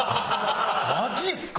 マジっすか？